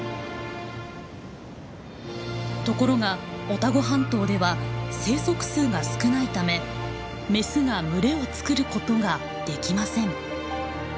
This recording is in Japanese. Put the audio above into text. ところがオタゴ半島では生息数が少ないためメスが群れを作ることができません。